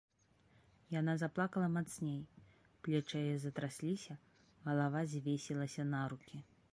Яна заплакала мацней, плечы яе затрасліся, галава звесілася на рукі.